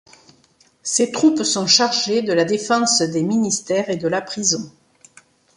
Ses troupes sont chargées de la défense des ministères et de la prison.